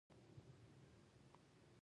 ځان مې غرنی ښوده.